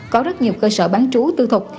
có rất nhiều cơ sở bán trú tư thuộc